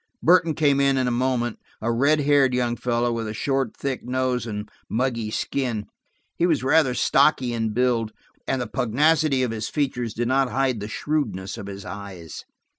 Burton came in in a moment, a red haired young fellow, with a short thick nose and a muggy skin. He was rather stocky in build, and the pugnacity of his features did not hide the shrewdness of his eyes.